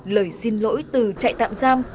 lời xin lỗi từ trại tạm giam